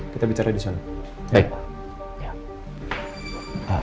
kita bicara di sana